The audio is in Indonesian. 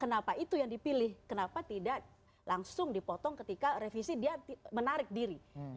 kenapa itu yang dipilih kenapa tidak langsung dipotong ketika revisi dia menarik diri